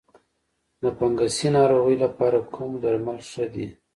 د فنګسي ناروغیو لپاره کوم درمل ښه دي؟